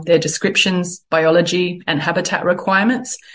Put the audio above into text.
tentang pemerintahan biologi dan kebutuhan habitat